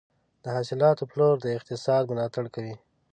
د حاصلاتو پلور د اقتصاد ملاتړ کوي.